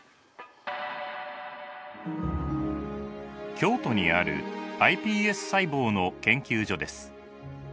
京都にあるｉＰＳ細胞の研究所です。